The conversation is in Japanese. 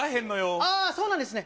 ああ、そうなんですね。